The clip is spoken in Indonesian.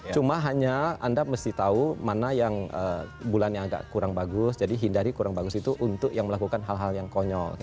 cuma hanya anda mesti tahu mana yang bulan yang agak kurang bagus jadi hindari kurang bagus itu untuk yang melakukan hal hal yang konyol